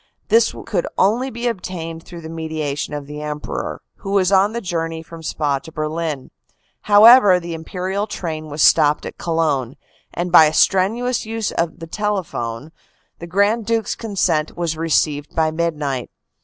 This could only be obtained through the mediation of the Emperor, who was on the journey from Spa to Berlin. However, the Imperial train was stop ped at Cologne, and, by a strenuous use of the telephone, the 282 CANADA S HUNDRED DAYS Grand Duke s consent was received by midnight.